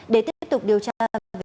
để tiếp tục điều tra về hành vi giết người